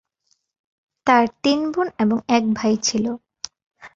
তার তিন বোন এবং এক ভাই ছিলো।